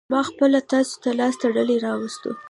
ما خپله تاسو ته لاس تړلى راوستو.